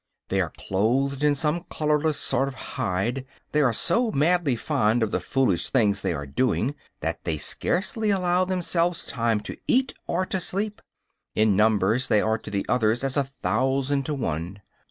They are clothed in some colorless sort of hide. They are so madly fond of the foolish things they are doing that they scarcely allow themselves time to eat or to sleep. In numbers they are to the others as a thousand to one.